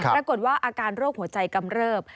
ปรากฏว่าอาการโรคหัวใจกำเริบ